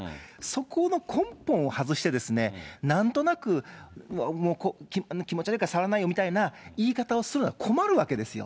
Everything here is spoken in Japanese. そこの根本を外して、なんとなく気持ち悪いから触らないよみたいな言い方をすると困るわけですよ。